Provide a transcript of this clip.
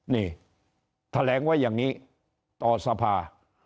นี่แถลงไว้อย่างนี้ต่อสภา